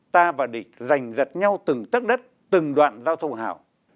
ta và địch giành giật nhau từng tất đất từng đoạn giao thông hào